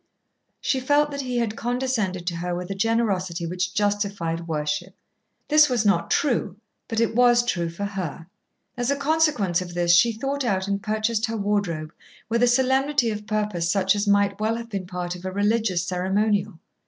She felt that he had condescended to her with a generosity which justified worship. This was not true, but it was true for her. As a consequence of this she thought out and purchased her wardrobe with a solemnity of purpose such as might well have been part of a religious ceremonial.